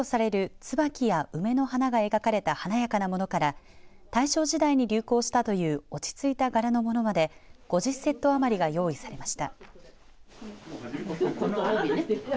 つばきや梅の花が描かれた華やかなものから大正時代に流行したという落ち着いた柄のものまで５０セット余りが用意されました。